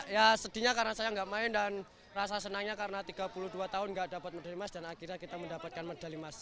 ya sedihnya karena saya nggak main dan rasa senangnya karena tiga puluh dua tahun nggak dapat medalimas dan akhirnya kita mendapatkan medalimas